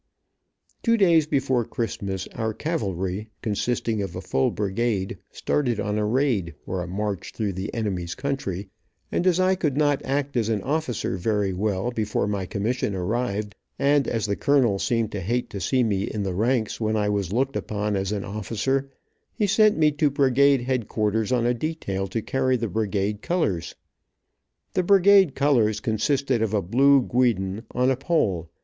Two days before Christmas our cavalry, consisting of a full brigade, started on a raid, or a march through the enemy's country, and as I could not act as an officer very well, before my commission arrived, and as the colonel seemed to hate to see me in the ranks when I was looked upon as an officer, he sent me to brigade headquarters on a detail to carry the brigade colors. The brigade colors consisted of a blue guidon, on a pole.